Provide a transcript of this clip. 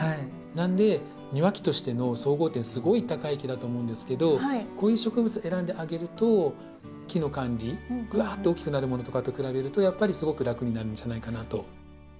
なので庭木としての総合点すごい高い木だと思うんですけどこういう植物選んであげると木の管理ぐわっと大きくなるものとかと比べるとやっぱりすごく楽になるんじゃないかなと。